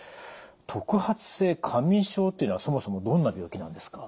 特発性過眠症というのはそもそもどんな病気なんですか？